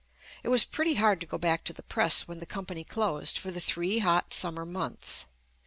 It was pretty hard to go back to the press when the company closed for the three hot summer months.